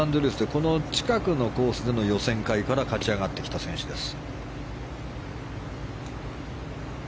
この近くのコースでの予選会から勝ち上がってきた選手です。